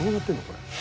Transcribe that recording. これ。